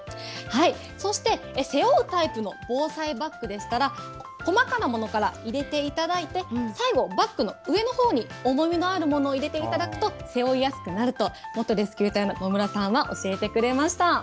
そして、背負うタイプの防災バッグでしたら、細かなものから入れていただいて、最後、バッグの上のほうに重みのあるものを入れていただくと、背負いやすくなると、元レスキュー隊の野村さんは教えてくれました。